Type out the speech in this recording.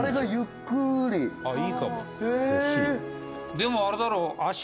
「でも、あれだろ？」